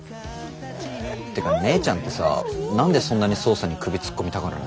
てか姉ちゃんってさ何でそんなに捜査に首突っ込みたがるの？